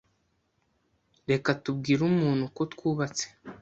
Reka tubwire umuntu ko twubatse.